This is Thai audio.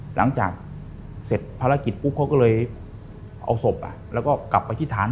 หลังจากเสร็จภารกิจปุ๊บเขาก็เลยเอาศพแล้วก็กลับไปที่ฐาน